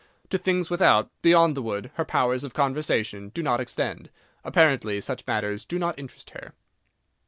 To things without, beyond the wood, her powers of conversation do not extend: apparently such matters do not interest her.